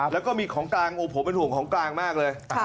แล้วก็มีของกลางผมเป็นห่วงของกลางมากเลย